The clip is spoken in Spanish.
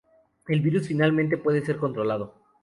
El virus finalmente puede ser controlado.